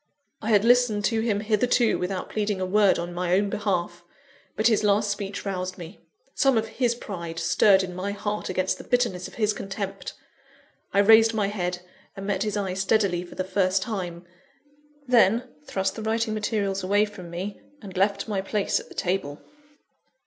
_" I had listened to him hitherto without pleading a word in my own behalf; but his last speech roused me. Some of his pride stirred in my heart against the bitterness of his contempt. I raised my head, and met his eye steadily for the first time then, thrust the writing materials away from me, and left my place at the table.